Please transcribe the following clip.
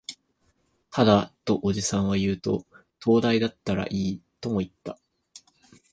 ただ、とおじさんは言うと、灯台だったらいい、とも言った